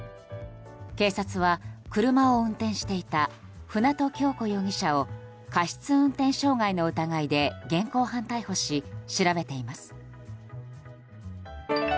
警察は車を運転していた舟渡今日子容疑者を過失運転傷害の疑いで現行犯逮捕し調べています。